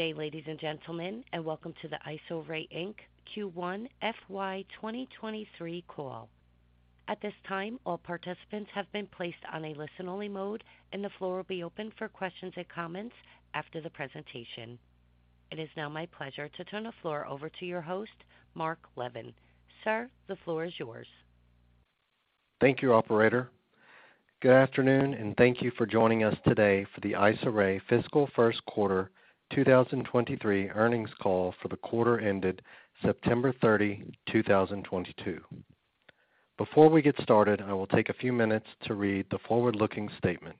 Good day, ladies and gentlemen, and welcome to the Perspective Therapeutics, Inc. Q1 FY 2023 call. At this time, all participants have been placed on a listen-only mode, and the floor will be open for questions and comments after the presentation. It is now my pleasure to turn the floor over to your host, Mark Levin. Sir, the floor is yours. Thank you, operator. Good afternoon, and thank you for joining us today for the Perspective Therapeutics fiscal first quarter 2023 earnings call for the quarter ended September 30, 2022. Before we get started, I will take a few minutes to read the forward-looking statement.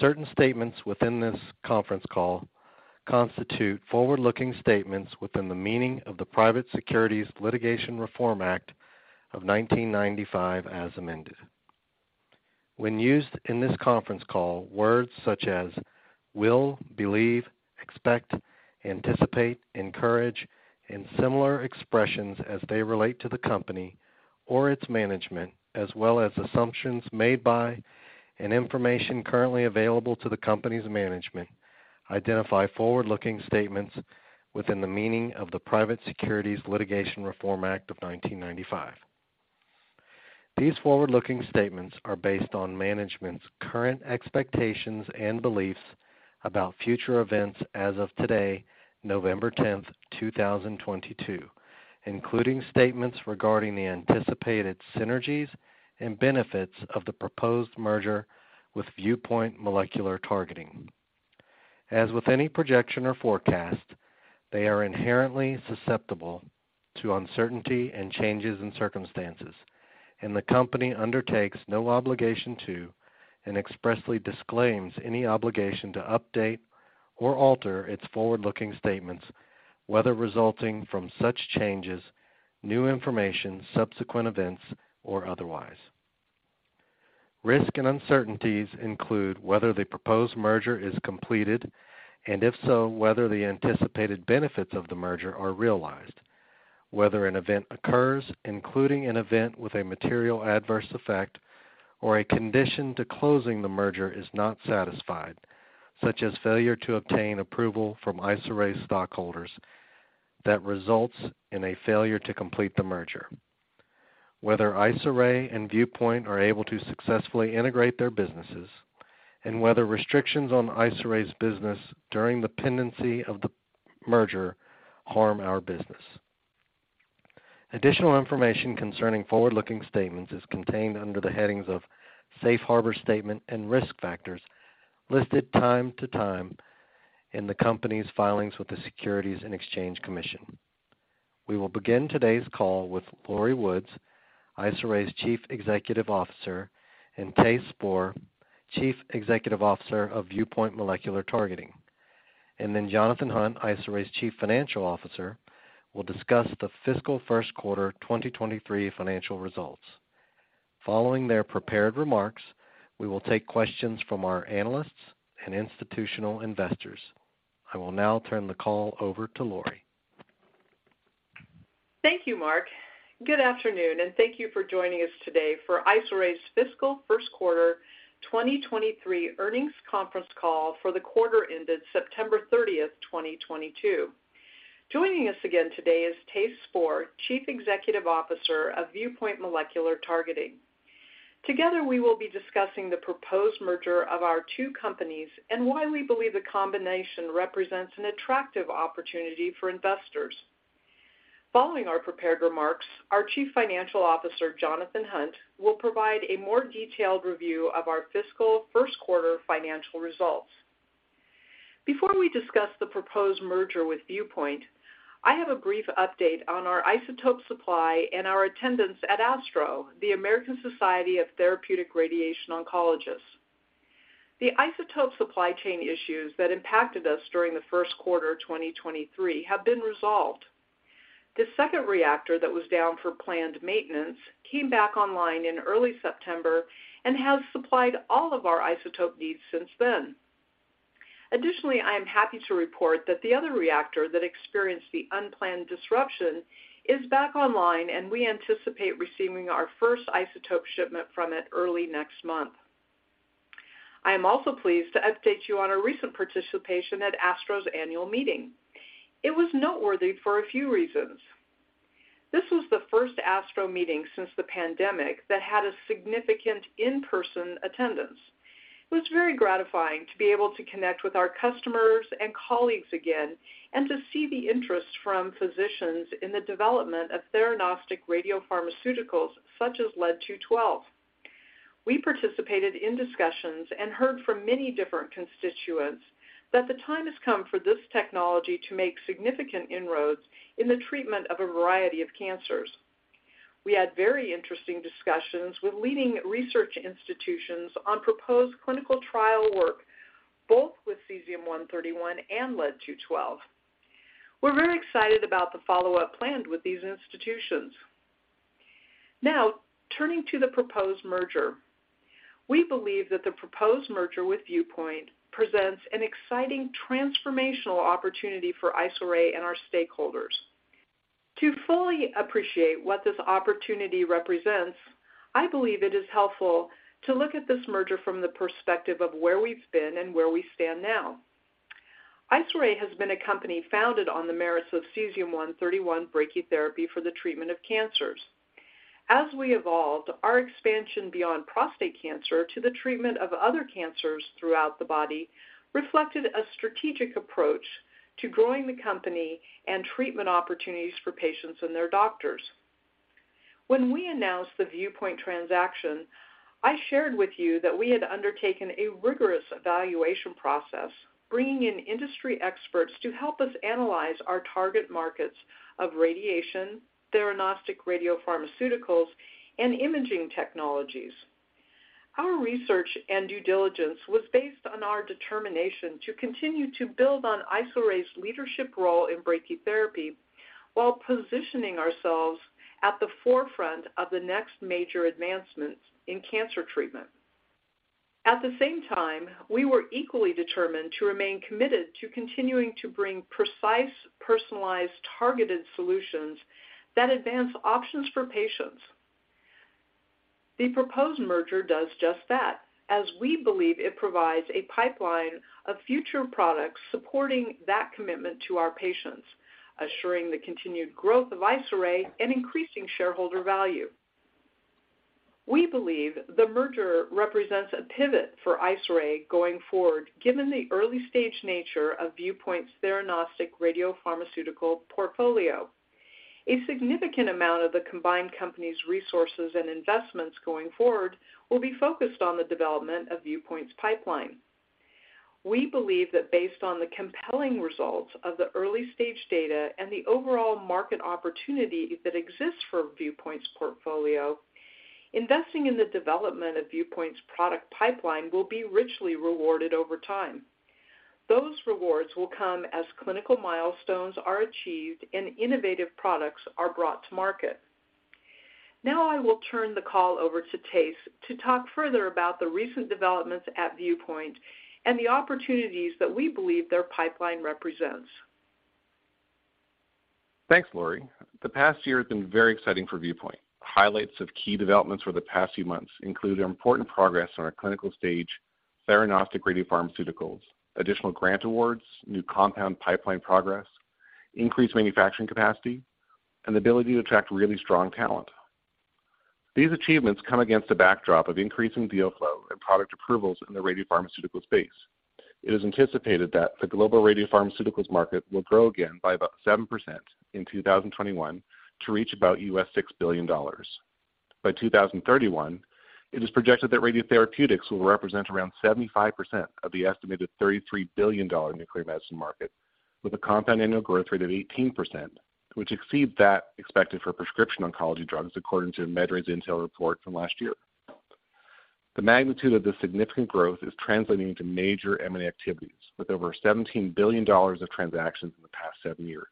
Certain statements within this conference call constitute forward-looking statements within the meaning of the Private Securities Litigation Reform Act of 1995 as amended. When used in this conference call, words such as will, believe, expect, anticipate, encourage and similar expressions as they relate to the company or its management, as well as assumptions made by and information currently available to the company's management, identify forward-looking statements within the meaning of the Private Securities Litigation Reform Act of 1995. These forward-looking statements are based on management's current expectations and beliefs about future events as of today, November tenth, two thousand twenty-two, including statements regarding the anticipated synergies and benefits of the proposed merger with Viewpoint Molecular Targeting. As with any projection or forecast, they are inherently susceptible to uncertainty and changes in circumstances, and the company undertakes no obligation to, and expressly disclaims any obligation to update or alter its forward-looking statements, whether resulting from such changes, new information, subsequent events, or otherwise. Risk and uncertainties include whether the proposed merger is completed, and if so, whether the anticipated benefits of the merger are realized, whether an event occurs, including an event with a material adverse effect or a condition to closing the merger is not satisfied, such as failure to obtain approval from IsoRay stockholders that results in a failure to complete the merger, whether IsoRay and Viewpoint are able to successfully integrate their businesses, and whether restrictions on IsoRay's business during the pendency of the merger harm our business. Additional information concerning forward-looking statements is contained under the headings of Safe Harbor Statement and Risk Factors listed from time to time in the company's filings with the Securities and Exchange Commission. We will begin today's call with Lori Woods, IsoRay's Chief Executive Officer, and Thijs Spoor, Chief Executive Officer of Viewpoint Molecular Targeting. Jonathan Hunt, Perspective Therapeutics' Chief Financial Officer, will discuss the fiscal first quarter 2023 financial results. Following their prepared remarks, we will take questions from our analysts and institutional investors. I will now turn the call over to Lori. Thank you, Mark. Good afternoon, and thank you for joining us today for IsoRay's fiscal first quarter 2023 earnings conference call for the quarter ended September 30, 2022. Joining us again today is Thijs Spoor, Chief Executive Officer of Viewpoint Molecular Targeting. Together, we will be discussing the proposed merger of our two companies and why we believe the combination represents an attractive opportunity for investors. Following our prepared remarks, our Chief Financial Officer, Jonathan Hunt, will provide a more detailed review of our fiscal first quarter financial results. Before we discuss the proposed merger with Viewpoint, I have a brief update on our isotope supply and our attendance at ASTRO, the American Society for Radiation Oncology. The isotope supply chain issues that impacted us during the first quarter 2023 have been resolved. The second reactor that was down for planned maintenance came back online in early September and has supplied all of our isotope needs since then. Additionally, I am happy to report that the other reactor that experienced the unplanned disruption is back online, and we anticipate receiving our first isotope shipment from it early next month. I am also pleased to update you on our recent participation at ASTRO's annual meeting. It was noteworthy for a few reasons. This was the first ASTRO meeting since the pandemic that had a significant in-person attendance. It was very gratifying to be able to connect with our customers and colleagues again and to see the interest from physicians in the development of theranostic radiopharmaceuticals such as Lead-212. We participated in discussions and heard from many different constituents that the time has come for this technology to make significant inroads in the treatment of a variety of cancers. We had very interesting discussions with leading research institutions on proposed clinical trial work, both with Cesium-131 and Lead-212. We're very excited about the follow-up planned with these institutions. Now, turning to the proposed merger. We believe that the proposed merger with Viewpoint presents an exciting transformational opportunity for IsoRay and our stakeholders. To fully appreciate what this opportunity represents, I believe it is helpful to look at this merger from the perspective of where we've been and where we stand now. IsoRay has been a company founded on the merits of Cesium-131 brachytherapy for the treatment of cancers. As we evolved, our expansion beyond prostate cancer to the treatment of other cancers throughout the body reflected a strategic approach to growing the company and treatment opportunities for patients and their doctors. When we announced the Viewpoint transaction, I shared with you that we had undertaken a rigorous evaluation process, bringing in industry experts to help us analyze our target markets of radiation, theranostic radiopharmaceuticals, and imaging technologies. Our research and due diligence was based on our determination to continue to build on IsoRay's leadership role in brachytherapy while positioning ourselves at the forefront of the next major advancements in cancer treatment. At the same time, we were equally determined to remain committed to continuing to bring precise, personalized, targeted solutions that advance options for patients. The proposed merger does just that, as we believe it provides a pipeline of future products supporting that commitment to our patients, assuring the continued growth of IsoRay and increasing shareholder value. We believe the merger represents a pivot for IsoRay going forward, given the early-stage nature of Viewpoint's theranostic radiopharmaceutical portfolio. A significant amount of the combined company's resources and investments going forward will be focused on the development of Viewpoint's pipeline. We believe that based on the compelling results of the early-stage data and the overall market opportunity that exists for Viewpoint's portfolio, investing in the development of Viewpoint's product pipeline will be richly rewarded over time. Those rewards will come as clinical milestones are achieved and innovative products are brought to market. Now I will turn the call over to Thijs to talk further about the recent developments at Viewpoint and the opportunities that we believe their pipeline represents. Thanks, Lori. The past year has been very exciting for Viewpoint. Highlights of key developments for the past few months include important progress on our clinical-stage theranostic radiopharmaceuticals, additional grant awards, new compound pipeline progress, increased manufacturing capacity, and the ability to attract really strong talent. These achievements come against a backdrop of increasing deal flow and product approvals in the radiopharmaceutical space. It is anticipated that the global radiopharmaceuticals market will grow again by about 7% in 2021 to reach about $6 billion. By 2031, it is projected that radiotherapeutics will represent around 75% of the estimated $33 billion nuclear medicine market with a compound annual growth rate of 18%, which exceeds that expected for prescription oncology drugs, according to MEDraysintell report from last year. The magnitude of the significant growth is translating into major M&A activities, with over $17 billion of transactions in the past seven years.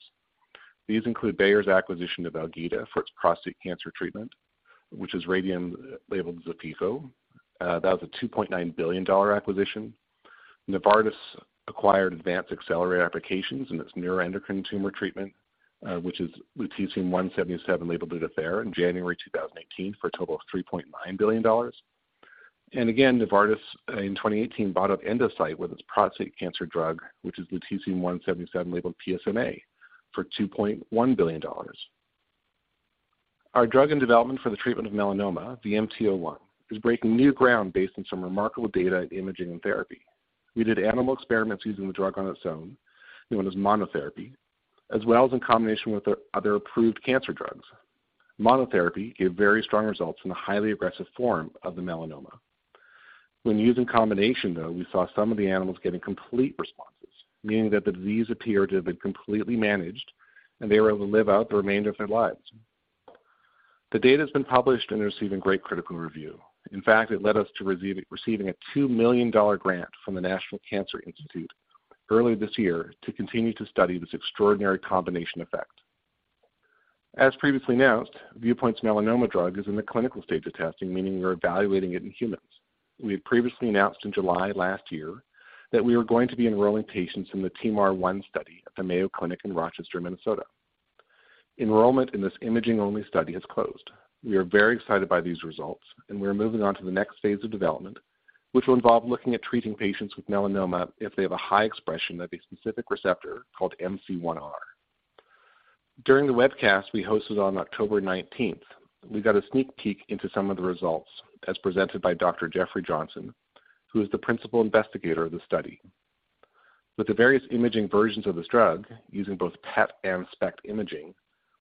These include Bayer's acquisition of Algeta for its prostate cancer treatment, which is radium-labeled Xofigo. That was a $2.9 billion acquisition. Novartis acquired Advanced Accelerator Applications and its neuroendocrine tumor treatment, which is lutetium-177-labeled Lutathera in January 2018 for a total of $3.9 billion. Novartis in 2018 bought up Endocyte with its prostate cancer drug, which is lutetium-177-labeled PSMA, for $2.1 billion. Our drug in development for the treatment of melanoma, VMT01, is breaking new ground based on some remarkable data in imaging and therapy. We did animal experiments using the drug on its own, known as monotherapy, as well as in combination with other approved cancer drugs. Monotherapy gave very strong results in a highly aggressive form of the melanoma. When used in combination, though, we saw some of the animals getting complete responses, meaning that the disease appeared to have been completely managed, and they were able to live out the remainder of their lives. The data has been published and is receiving great critical review. In fact, it led us to receiving a $2 million grant from the National Cancer Institute early this year to continue to study this extraordinary combination effect. As previously announced, Viewpoint's melanoma drug is in the clinical stage of testing, meaning we are evaluating it in humans. We had previously announced in July last year that we were going to be enrolling patients in the TEAMR1 study at the Mayo Clinic in Rochester, Minnesota. Enrollment in this imaging-only study has closed. We are very excited by these results, and we are moving on to the next phase of development, which will involve looking at treating patients with melanoma if they have a high expression of a specific receptor called MC1R. During the webcast we hosted on October nineteenth, we got a sneak peek into some of the results as presented by Dr. Jeffrey Johnson, who is the Principal Investigator of the study. With the various imaging versions of this drug, using both PET and SPECT imaging,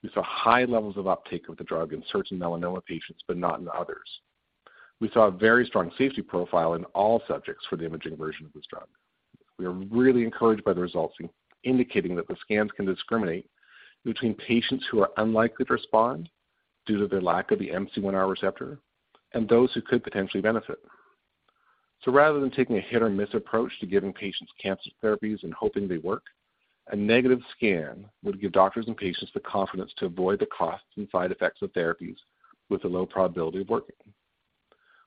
we saw high levels of uptake of the drug in certain melanoma patients but not in others. We saw a very strong safety profile in all subjects for the imaging version of this drug. We are really encouraged by the results indicating that the scans can discriminate between patients who are unlikely to respond due to their lack of the MC1R receptor and those who could potentially benefit. Rather than taking a hit-or-miss approach to giving patients cancer therapies and hoping they work, a negative scan would give doctors and patients the confidence to avoid the costs and side effects of therapies with a low probability of working.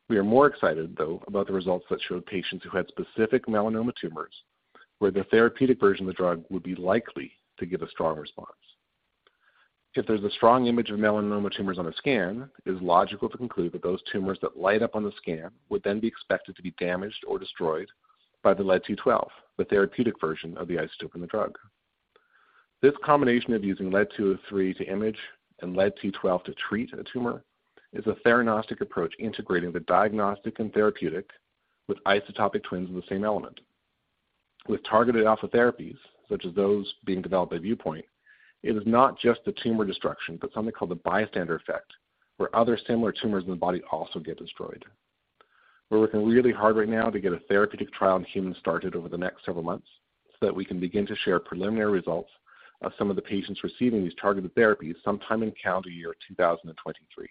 We are more excited, though, about the results that showed patients who had specific melanoma tumors where the therapeutic version of the drug would be likely to give a strong response. If there's a strong image of melanoma tumors on a scan, it is logical to conclude that those tumors that light up on the scan would then be expected to be damaged or destroyed by the Lead-212, the therapeutic version of the isotope in the drug. This combination of using Lead-203 to image and Lead-212 to treat a tumor is a theranostic approach integrating the diagnostic and therapeutic with isotopic twins of the same element. With targeted alpha therapies, such as those being developed by Viewpoint, it is not just the tumor destruction, but something called the bystander effect, where other similar tumors in the body also get destroyed. We're working really hard right now to get a therapeutic trial on humans started over the next several months so that we can begin to share preliminary results of some of the patients receiving these targeted therapies sometime in calendar year 2023.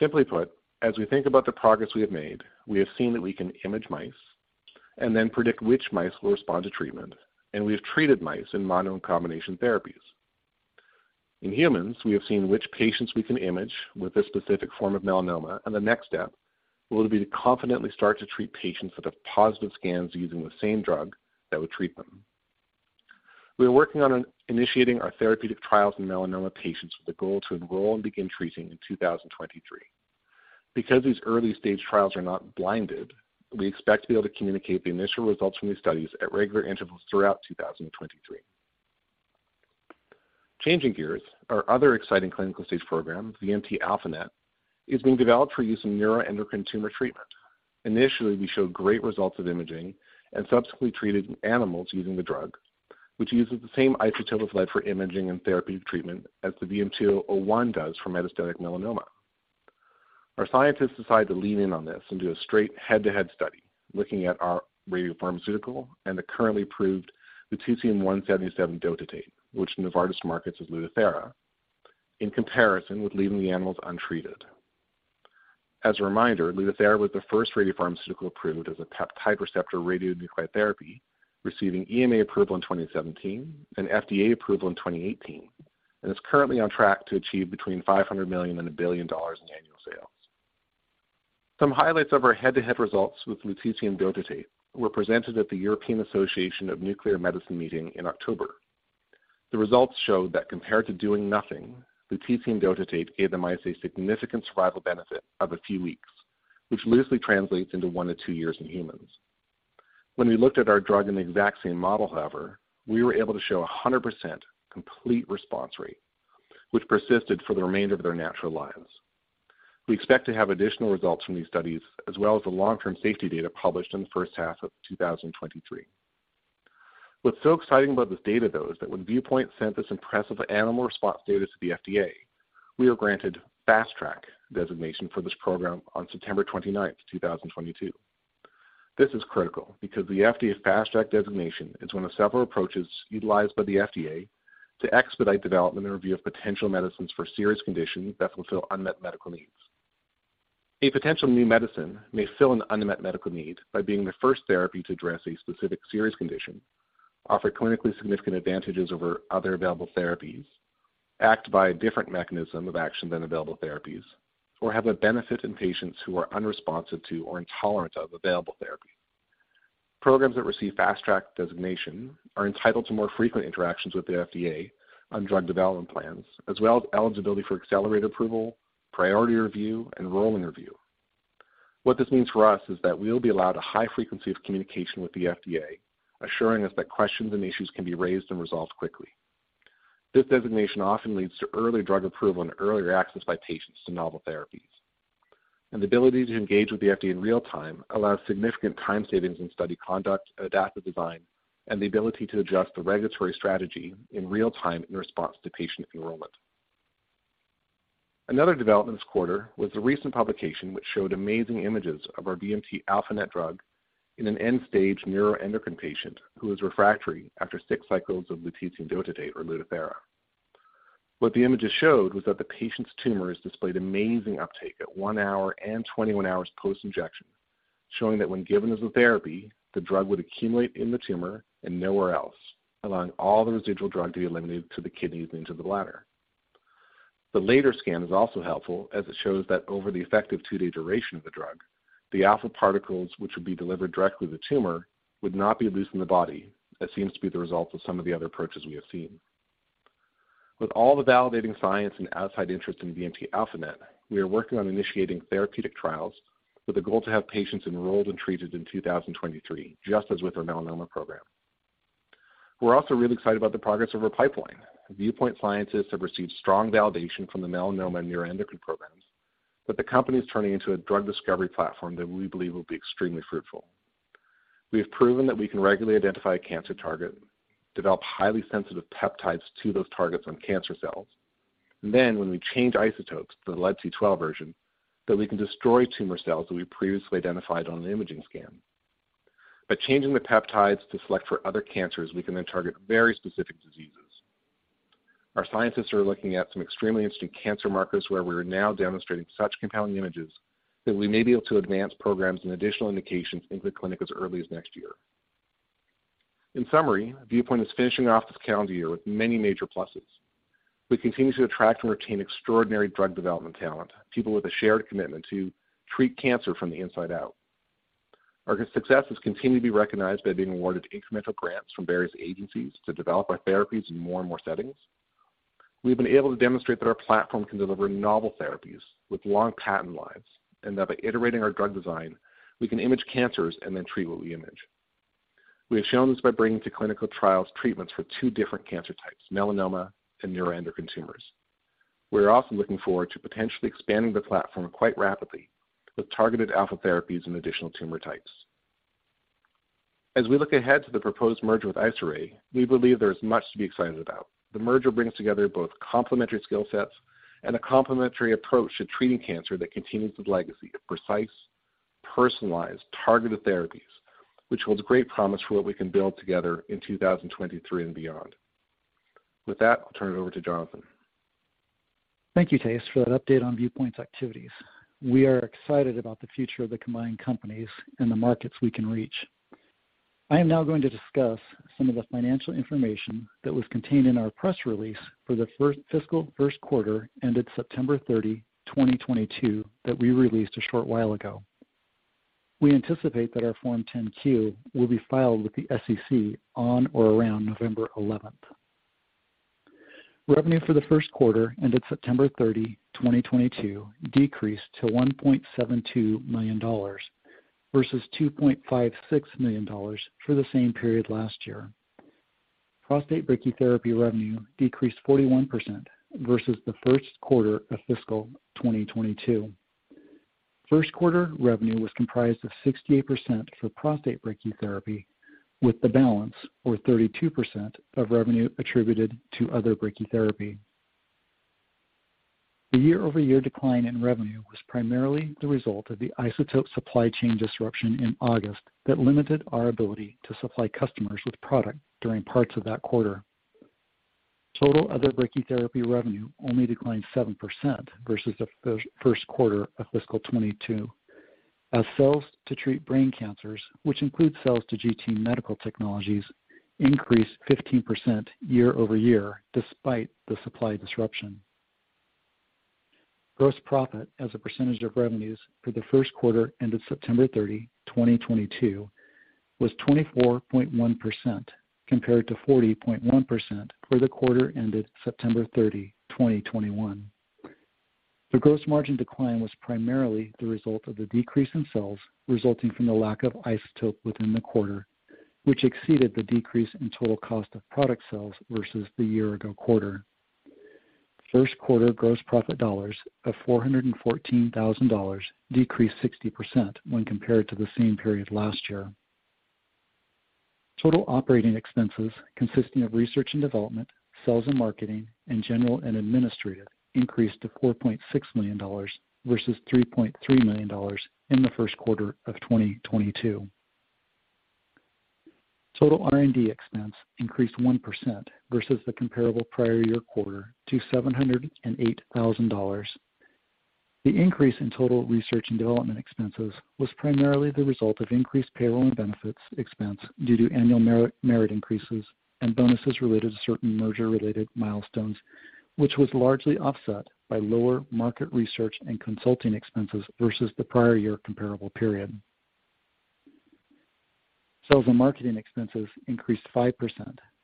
Simply put, as we think about the progress we have made, we have seen that we can image mice and then predict which mice will respond to treatment, and we have treated mice in mono and combination therapies. In humans, we have seen which patients we can image with this specific form of melanoma, and the next step will be to confidently start to treat patients that have positive scans using the same drug that would treat them. We are working on initiating our therapeutic trials in melanoma patients with the goal to enroll and begin treating in 2023. Because these early-stage trials are not blinded, we expect to be able to communicate the initial results from these studies at regular intervals throughout 2023. Changing gears, our other exciting clinical stage program, VMT-α-NET, is being developed for use in neuroendocrine tumor treatment. Initially, we showed great results of imaging and subsequently treated animals using the drug, which uses the same isotope of lead for imaging and therapeutic treatment as the VMT01 does for metastatic melanoma. Our scientists decided to lean in on this and do a straight head-to-head study looking at our radiopharmaceutical and the currently approved Lutetium 177 dotatate, which Novartis markets as Lutathera, in comparison with leaving the animals untreated. As a reminder, Lutathera was the first radiopharmaceutical approved as a peptide receptor radionuclide therapy, receiving EMA approval in 2017 and FDA approval in 2018, and is currently on track to achieve between $500 million and $1 billion in annual sales. Some highlights of our head-to-head results with lutetium dotatate were presented at the European Association of Nuclear Medicine meeting in October. The results showed that compared to doing nothing, lutetium dotatate gave the mice a significant survival benefit of a few weeks, which loosely translates into 1-2 years in humans. When we looked at our drug in the exact same model, however, we were able to show a 100% complete response rate, which persisted for the remainder of their natural lives. We expect to have additional results from these studies as well as the long-term safety data published in the first half of 2023. What's so exciting about this data, though, is that when Viewpoint sent this impressive animal response data to the FDA, we were granted Fast Track designation for this program on September 29, 2022. This is critical because the FDA's Fast Track designation is one of several approaches utilized by the FDA to expedite development and review of potential medicines for serious conditions that fulfill unmet medical needs. A potential new medicine may fill an unmet medical need by being the first therapy to address a specific serious condition, offer clinically significant advantages over other available therapies, act by a different mechanism of action than available therapies, or have a benefit in patients who are unresponsive to or intolerant of available therapy. Programs that receive Fast Track designation are entitled to more frequent interactions with the FDA on drug development plans, as well as eligibility for accelerated approval, priority review, and rolling review. What this means for us is that we will be allowed a high frequency of communication with the FDA, assuring us that questions and issues can be raised and resolved quickly. This designation often leads to earlier drug approval and earlier access by patients to novel therapies. The ability to engage with the FDA in real time allows significant time savings in study conduct, adaptive design, and the ability to adjust the regulatory strategy in real time in response to patient enrollment. Another development this quarter was the recent publication which showed amazing images of our VMT-α-NET drug in an end-stage neuroendocrine patient who was refractory after 6 cycles of lutetium dotatate or Lutathera. What the images showed was that the patient's tumors displayed amazing uptake at 1 hour and 21 hours post-injection, showing that when given as a therapy, the drug would accumulate in the tumor and nowhere else, allowing all the residual drug to be eliminated to the kidneys and into the bladder. The later scan is also helpful, as it shows that over the effective 2-day duration of the drug, the alpha particles which would be delivered directly to the tumor would not be loose in the body, as seems to be the result of some of the other approaches we have seen. With all the validating science and outside interest in VMT-α-NET, we are working on initiating therapeutic trials with the goal to have patients enrolled and treated in 2023, just as with our melanoma program. We're also really excited about the progress of our pipeline. Viewpoint scientists have received strong validation from the melanoma and neuroendocrine programs that the company is turning into a drug discovery platform that we believe will be extremely fruitful. We have proven that we can regularly identify a cancer target, develop highly sensitive peptides to those targets on cancer cells, and then when we change isotopes to the Lead-212 version, that we can destroy tumor cells that we previously identified on an imaging scan. By changing the peptides to select for other cancers, we can then target very specific diseases. Our scientists are looking at some extremely interesting cancer markers where we are now demonstrating such compelling images that we may be able to advance programs and additional indications into the clinic as early as next year. In summary, Viewpoint is finishing off this calendar year with many major pluses. We continue to attract and retain extraordinary drug development talent, people with a shared commitment to treat cancer from the inside out. Our successes continue to be recognized by being awarded incremental grants from various agencies to develop our therapies in more and more settings. We've been able to demonstrate that our platform can deliver novel therapies with long patent lives, and that by iterating our drug design, we can image cancers and then treat what we image. We have shown this by bringing to clinical trials treatments for two different cancer types, melanoma and neuroendocrine tumors. We are also looking forward to potentially expanding the platform quite rapidly with targeted alpha therapies in additional tumor types. As we look ahead to the proposed merger with IsoRay, we believe there is much to be excited about. The merger brings together both complementary skill sets and a complementary approach to treating cancer that continues the legacy of precise, personalized, targeted therapies, which holds great promise for what we can build together in 2023 and beyond. With that, I'll turn it over to Jonathan. Thank you, Thijs Spoor, for that update on Viewpoint Molecular Targeting's activities. We are excited about the future of the combined companies and the markets we can reach. I am now going to discuss some of the financial information that was contained in our press release for the fiscal first quarter ended September 30, 2022, that we released a short while ago. We anticipate that our Form 10-Q will be filed with the SEC on or around November 11. Revenue for the first quarter ended September 30, 2022 decreased to $1.72 million versus $2.56 million for the same period last year. Prostate brachytherapy revenue decreased 41% versus the first quarter of fiscal 2022. First quarter revenue was comprised of 68% for prostate brachytherapy, with the balance, or 32% of revenue attributed to other brachytherapy. The year-over-year decline in revenue was primarily the result of the isotope supply chain disruption in August that limited our ability to supply customers with product during parts of that quarter. Total other brachytherapy revenue only declined 7% versus the first quarter of fiscal 2022, as sales to treat brain cancers, which includes sales to GT Medical Technologies, increased 15% year over year despite the supply disruption. Gross profit as a percentage of revenues for the first quarter ended September 30, 2022 was 24.1%, compared to 40.1% for the quarter ended September 30, 2021. The gross margin decline was primarily the result of the decrease in sales resulting from the lack of isotope within the quarter, which exceeded the decrease in total cost of product sales versus the year ago quarter. First quarter gross profit dollars of $414,000 decreased 60% when compared to the same period last year. Total operating expenses, consisting of research and development, sales and marketing, and general and administrative, increased to $4.6 million versus $3.3 million in the first quarter of 2022. Total R&D expense increased 1% versus the comparable prior year quarter to $708,000. The increase in total research and development expenses was primarily the result of increased payroll and benefits expense due to annual merit increases and bonuses related to certain merger-related milestones, which was largely offset by lower market research and consulting expenses versus the prior year comparable period. Sales and marketing expenses increased 5%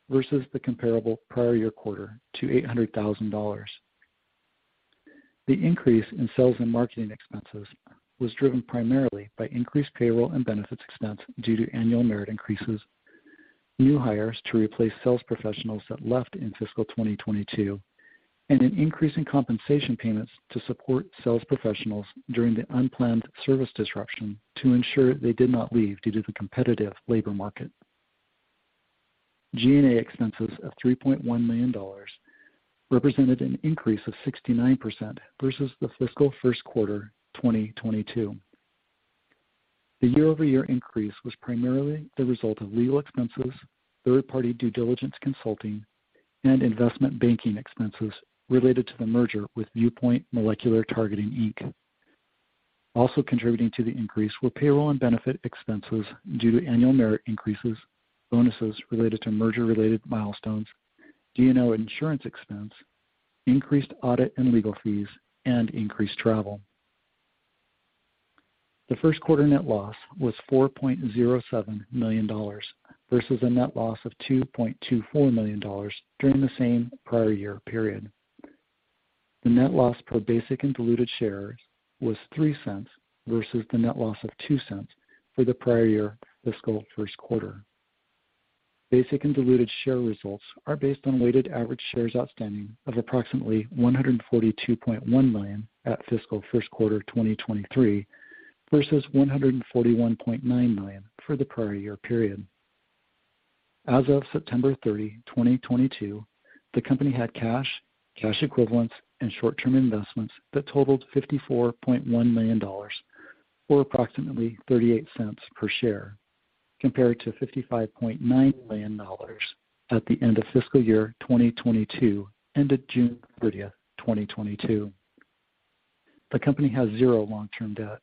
versus the comparable prior year quarter to $800,000. The increase in sales and marketing expenses was driven primarily by increased payroll and benefits expense due to annual merit increases, new hires to replace sales professionals that left in fiscal 2022, and an increase in compensation payments to support sales professionals during the unplanned service disruption to ensure they did not leave due to the competitive labor market. G&A expenses of $3.1 million represented an increase of 69% versus the fiscal first quarter 2022. The year-over-year increase was primarily the result of legal expenses, third-party due diligence consulting, and investment banking expenses related to the merger with Viewpoint Molecular Targeting, Inc. Also contributing to the increase were payroll and benefit expenses due to annual merit increases, bonuses related to merger-related milestones, D&O insurance expense, increased audit and legal fees, and increased travel. The first quarter net loss was $4.07 million versus a net loss of $2.24 million during the same prior year period. The net loss per basic and diluted shares was $0.03 versus the net loss of $0.02 for the prior year fiscal first quarter. Basic and diluted share results are based on weighted average shares outstanding of approximately 142.1 million at fiscal first quarter 2023 versus 141.9 million for the prior year period. As of September 30, 2022, the company had cash equivalents, and short-term investments that totaled $54.1 million or approximately $0.38 per share, compared to $55.9 million at the end of fiscal year 2022, ended June 30, 2022. The company has zero long-term debt.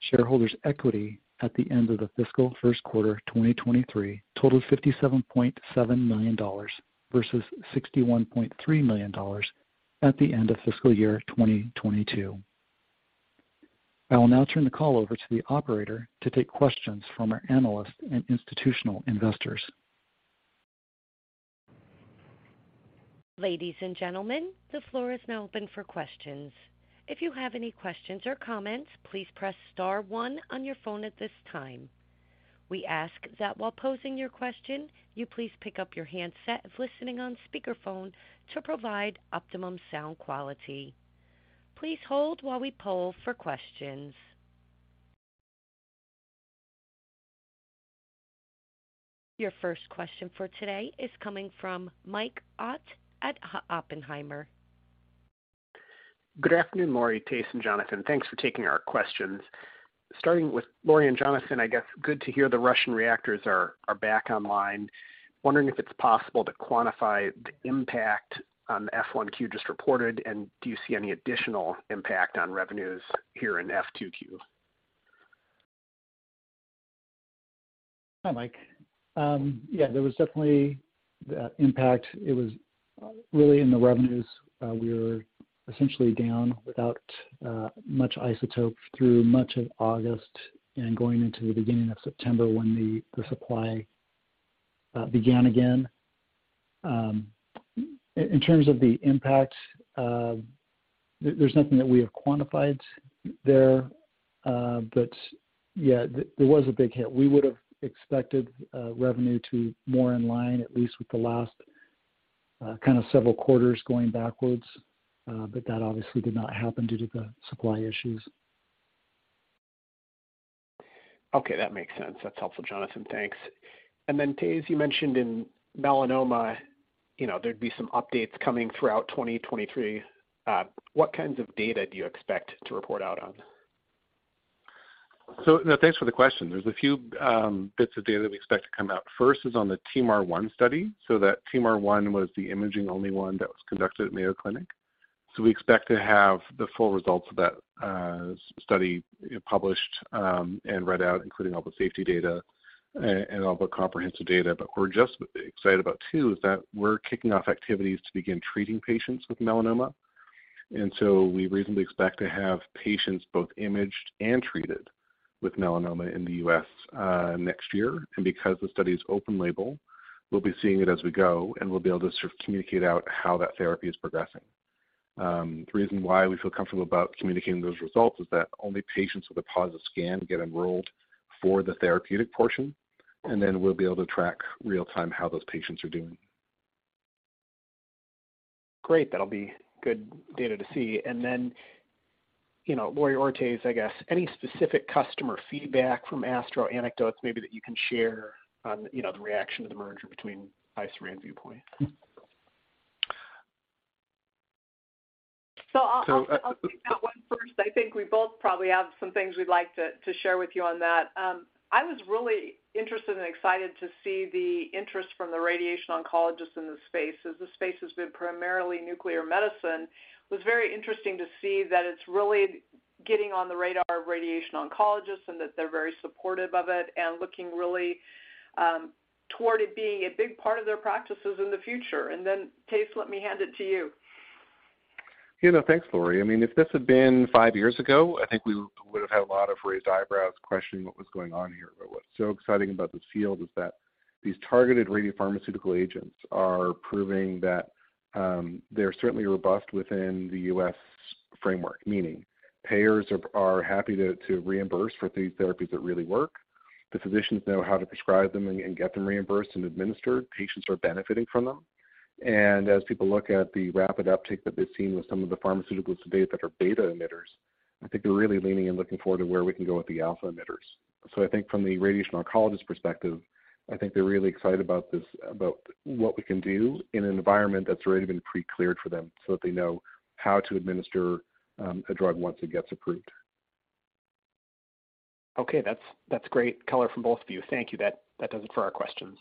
Shareholders' equity at the end of the fiscal first quarter 2023 totaled $57.7 million versus $61.3 million at the end of fiscal year 2022. I will now turn the call over to the operator to take questions from our analysts and institutional investors. Ladies and gentlemen, the floor is now open for questions. If you have any questions or comments, please press star one on your phone at this time. We ask that while posing your question, you please pick up your handset if listening on speakerphone to provide optimum sound quality. Please hold while we poll for questions. Your first question for today is coming from Mike Ott at Oppenheimer. Good afternoon, Lori, Thijs, and Jonathan. Thanks for taking our questions. Starting with Lori and Jonathan, I guess it's good to hear the Russian reactors are back online. Wondering if it's possible to quantify the impact on the F1Q just reported, and do you see any additional impact on revenues here in F2Q? Hi, Mike. Yeah, there was definitely the impact. It was really in the revenues. We were essentially down without much isotope through much of August and going into the beginning of September when the supply began again. In terms of the impact, there's nothing that we have quantified there. Yeah, there was a big hit. We would have expected revenue to more in line at least with the last kind of several quarters going backwards, but that obviously did not happen due to the supply issues. Okay. That makes sense. That's helpful, Jonathan. Thanks. Thijs, you mentioned in melanoma, you know, there'd be some updates coming throughout 2023. What kinds of data do you expect to report out on? Thanks for the question. There's a few bits of data that we expect to come out. First is on the TEAMR-1 study. That TEAMR-1 was the imaging only one that was conducted at Mayo Clinic. We expect to have the full results of that study published and read out, including all the safety data and all the comprehensive data. We're just excited about too is that we're kicking off activities to begin treating patients with melanoma. We reasonably expect to have patients both imaged and treated with melanoma in the U.S. next year. Because the study is open label, we'll be seeing it as we go, and we'll be able to sort of communicate out how that therapy is progressing. The reason why we feel comfortable about communicating those results is that only patients with a positive scan get enrolled for the therapeutic portion, and then we'll be able to track real time how those patients are doing. Great. That'll be good data to see. Then, you know, Lori or Thijs, I guess, any specific customer feedback from ASTRO anecdotes maybe that you can share on, you know, the reaction to the merger between IsoRay and Viewpoint? So I'll- So, uh- I'll take that one first. I think we both probably have some things we'd like to share with you on that. I was really interested and excited to see the interest from the radiation oncologists in the space. As the space has been primarily nuclear medicine, it was very interesting to see that it's really getting on the radar of radiation oncologists and that they're very supportive of it and looking really toward it being a big part of their practices in the future. Thijs, let me hand it to you. You know, thanks, Lori. I mean, if this had been five years ago, I think we would have had a lot of raised eyebrows questioning what was going on here. But what's so exciting about this field is that these targeted radiopharmaceutical agents are proving that they're certainly robust within the U.S. framework, meaning payers are happy to reimburse for these therapies that really work. The physicians know how to prescribe them and get them reimbursed and administered. Patients are benefiting from them. As people look at the rapid uptake that they've seen with some of the pharmaceuticals to date that are beta emitters, I think they're really leaning and looking forward to where we can go with the alpha emitters. I think from the radiation oncologist perspective, I think they're really excited about what we can do in an environment that's already been pre-cleared for them so that they know how to administer a drug once it gets approved. Okay. That's great color from both of you. Thank you. That does it for our questions.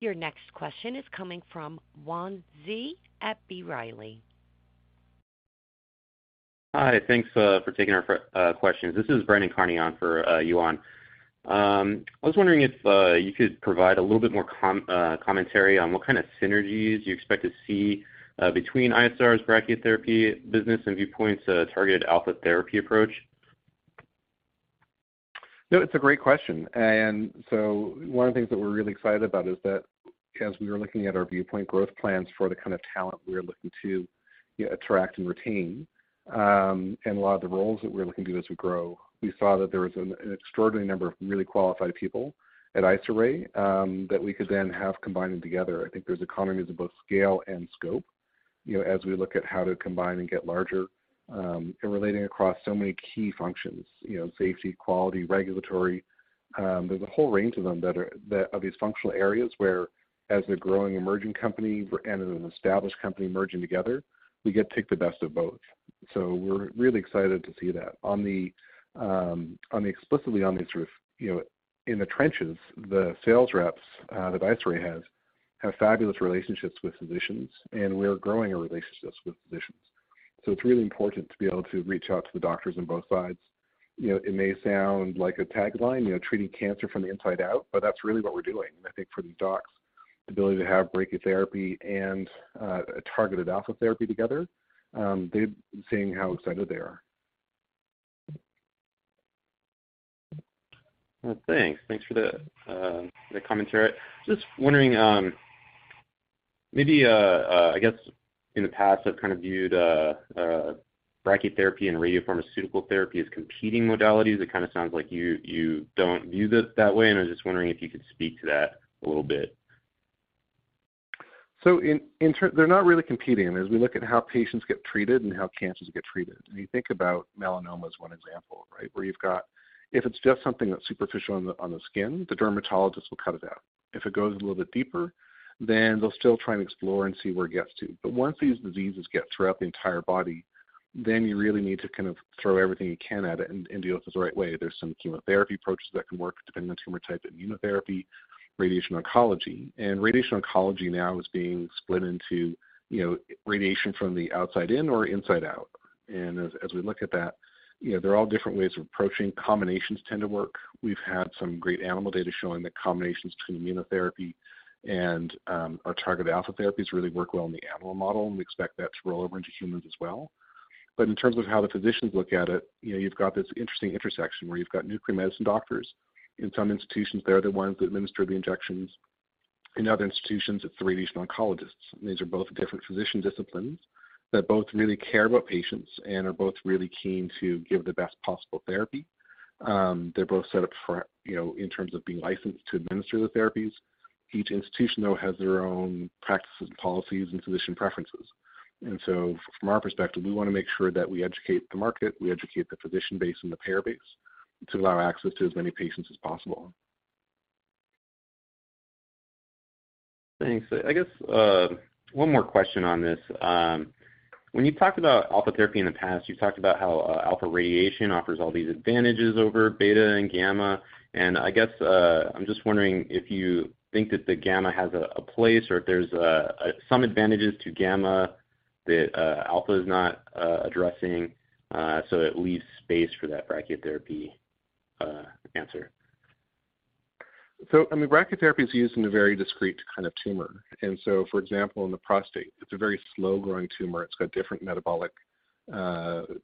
Your next question is coming from Yuan Zhi at B. Riley. Hi. Thanks for taking our questions. This is Brandon Carney on for Yuan Zhi. I was wondering if you could provide a little bit more commentary on what kind of synergies you expect to see between IsoRay's brachytherapy business and Viewpoint's targeted alpha therapy approach. No, it's a great question. One of the things that we're really excited about is that as we were looking at our Viewpoint growth plans for the kind of talent we are looking to, you know, attract and retain, and a lot of the roles that we're looking to as we grow, we saw that there was an extraordinary number of really qualified people at IsoRay, that we could then have combining together. I think there's economies of both scale and scope, you know, as we look at how to combine and get larger, and relating across so many key functions, you know, safety, quality, regulatory. There's a whole range of them that are these functional areas where as a growing emerging company and an established company merging together, we get to pick the best of both. We're really excited to see that. On the explicitly on these sort of, you know, in the trenches, the sales reps that IsoRay has have fabulous relationships with physicians, and we're growing a relationships with physicians. It's really important to be able to reach out to the doctors on both sides. You know, it may sound like a tagline, you know, treating cancer from the inside out, but that's really what we're doing. I think for the docs, the ability to have brachytherapy and a targeted alpha therapy together, they're seeing how excited they are. Well, thanks. Thanks for the commentary. Just wondering, maybe, I guess in the past, I've kind of viewed brachytherapy and radiopharmaceutical therapy as competing modalities. It kind of sounds like you don't view it that way, and I'm just wondering if you could speak to that a little bit. They're not really competing. As we look at how patients get treated and how cancers get treated, and you think about melanoma as one example, right? Where you've got. If it's just something that's superficial on the skin, the dermatologist will cut it out. If it goes a little bit deeper, then they'll still try and explore and see where it gets to. Once these diseases get throughout the entire body, then you really need to kind of throw everything you can at it and deal with this the right way. There's some chemotherapy approaches that can work depending on tumor type, immunotherapy, radiation oncology. Radiation oncology now is being split into, you know, radiation from the outside in or inside out. As we look at that, you know, there are different ways of approaching. Combinations tend to work. We've had some great animal data showing that combinations between immunotherapy and our targeted alpha therapies really work well in the animal model, and we expect that to roll over into humans as well. In terms of how the physicians look at it, you know, you've got this interesting intersection where you've got nuclear medicine doctors. In some institutions, they're the ones that administer the injections. In other institutions, it's the radiation oncologists. These are both different physician disciplines that both really care about patients and are both really keen to give the best possible therapy. They're both set up for, you know, in terms of being licensed to administer the therapies. Each institution, though, has their own practices, policies, and physician preferences. From our perspective, we wanna make sure that we educate the market, we educate the physician base and the payer base to allow access to as many patients as possible. Thanks. I guess one more question on this. When you talked about alpha therapy in the past, you talked about how alpha radiation offers all these advantages over beta and gamma. I guess I'm just wondering if you think that the gamma has a place or if there's some advantages to gamma that alpha is not addressing, so it leaves space for that brachytherapy answer. I mean, brachytherapy is used in a very discrete kind of tumor. For example, in the prostate, it's a very slow-growing tumor. It's got different metabolic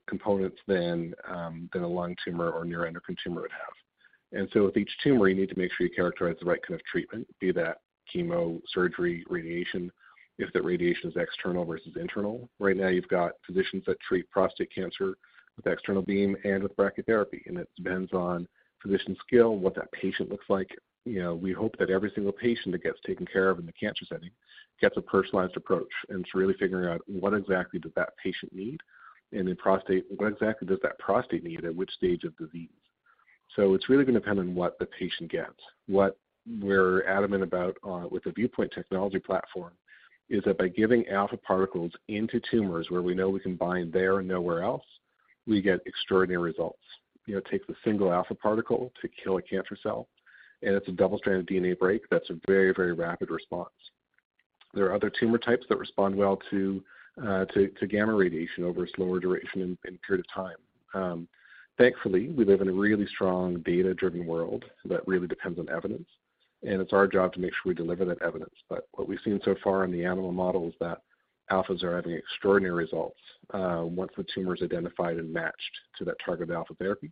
components than a lung tumor or neuroendocrine tumor would have. With each tumor, you need to make sure you characterize the right kind of treatment, be that chemo, surgery, radiation, if that radiation is external versus internal. Right now, you've got physicians that treat prostate cancer with external beam and with brachytherapy, and it depends on physician skill and what that patient looks like. You know, we hope that every single patient that gets taken care of in the cancer setting gets a personalized approach, and it's really figuring out what exactly does that patient need. In prostate, what exactly does that prostate need at which stage of disease? It's really gonna depend on what the patient gets. What we're adamant about with the Viewpoint technology platform is that by giving alpha particles into tumors where we know we can bind there and nowhere else, we get extraordinary results. You know, it takes a single alpha particle to kill a cancer cell, and it's a double-stranded DNA break. That's a very, very rapid response. There are other tumor types that respond well to gamma radiation over a slower duration and period of time. Thankfully, we live in a really strong data-driven world that really depends on evidence, and it's our job to make sure we deliver that evidence. What we've seen so far in the animal model is that alphas are having extraordinary results once the tumor is identified and matched to that targeted alpha therapy.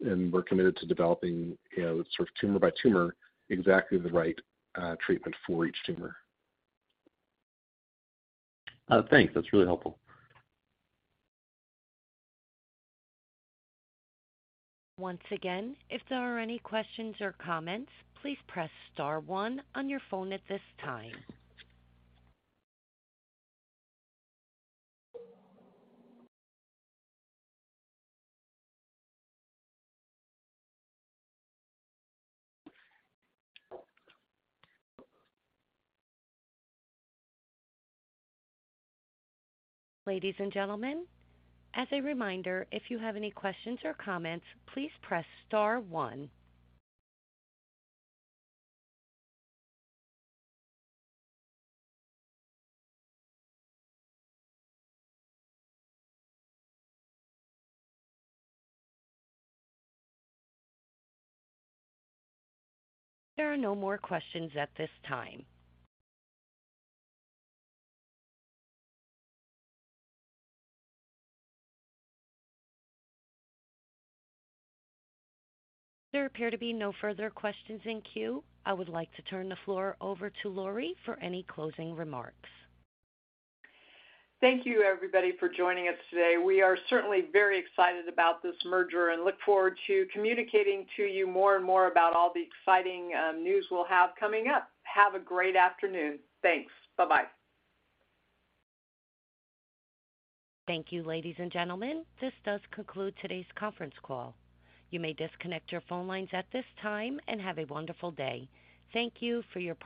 We're committed to developing, you know, sort of tumor by tumor exactly the right treatment for each tumor. Thanks. That's really helpful. Once again, if there are any questions or comments, please press star one on your phone at this time. Ladies and gentlemen, as a reminder, if you have any questions or comments, please press star one. There are no more questions at this time. There appear to be no further questions in queue. I would like to turn the floor over to Lori for any closing remarks. Thank you, everybody, for joining us today. We are certainly very excited about this merger and look forward to communicating to you more and more about all the exciting news we'll have coming up. Have a great afternoon. Thanks. Bye-bye. Thank you, ladies and gentlemen. This does conclude today's conference call. You may disconnect your phone lines at this time, and have a wonderful day. Thank you for your participation.